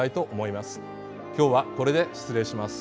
今日はこれで失礼します。